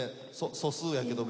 素数やけど別に。